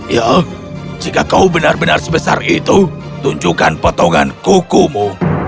ya jika kau benar benar sebesar itu tunjukkan potongan kukumu